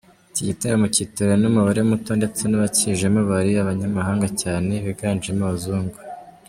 Iki gitaramo cyitabiriwe n’umubare muto ndetse n’abakijemo bari abanyamahanga cyane biganjemo abazungu.